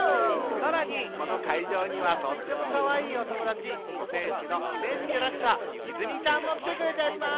さらにこのかいじょうにはとってもかわいいおともだち五泉市のイメージキャラクターいずみちゃんもきてくれております！